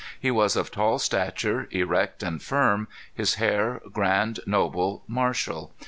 He was of tall stature, erect and firm, his air grand, noble, martial.